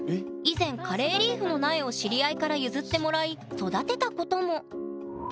以前カレーリーフの苗を知り合いから譲ってもらい育てたことも。